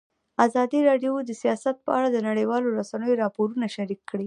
ازادي راډیو د سیاست په اړه د نړیوالو رسنیو راپورونه شریک کړي.